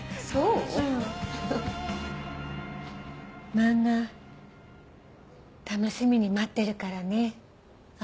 漫画楽しみに待ってるからね葵。